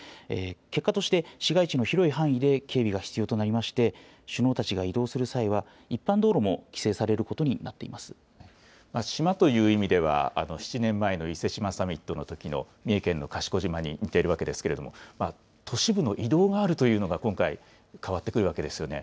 結果として、市街地の広い範囲で警備が必要となりまして、首脳たちが移動する際は、一般道路も規島という意味では、７年前の伊勢志摩サミットのときの三重県の賢島に似ているわけですけれども、都市部の移動があるというのが今回、変わってくるわけですよね。